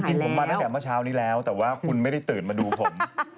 กินผมมาตั้งแต่เมื่อเช้านี้แล้วแต่ว่าคุณไม่ได้ตื่นมาดูผม